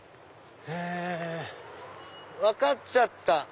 分かっちゃった！